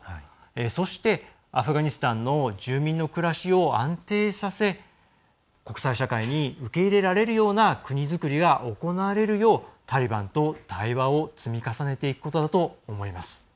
そして、アフガニスタンの住民の暮らしを安定させ国際社会に受け入れられるような国づくりが行われるようタリバンと対話を積み重ねていくことだと思います。